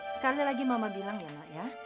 sekali lagi mama bilang ya mak ya